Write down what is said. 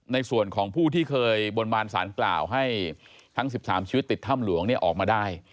ในส่วนของผู้ที่เคยบนบานสารกล่าวให้ทั้ง๑๓ชีวิตติดถ้ำหลวงออกมาได้